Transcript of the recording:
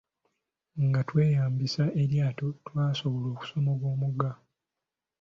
Nga tweyambisa eryato, twasobola okusomoka omugga.